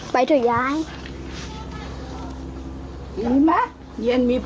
ไปที่ดีไง